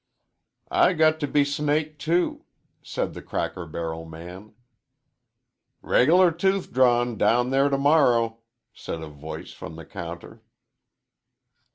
"I got t' be snaked, too," said the cracker barrel man. "Reg'lar tooth drawin' down thar to morrer," said a voice from the counter.